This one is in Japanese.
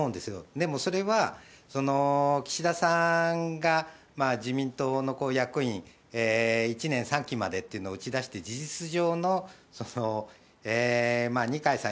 でもそれは、岸田さんが自民党の役員、１年３期までっていうのを打ち出して、事実上の二階さん